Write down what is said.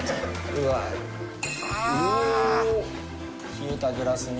冷えたグラスに。